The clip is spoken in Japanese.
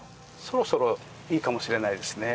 そろそろいいかもしれないですね。